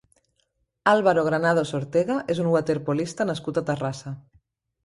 Álvaro Granados Ortega és un waterpolista nascut a Terrassa.